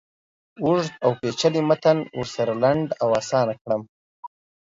اوږد اوپیچلی متن ورسره لنډ او آسانه کړم.